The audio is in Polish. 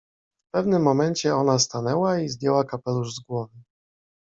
W pewnym momencie ona stanęła i zdjęła kapelusz z głowy.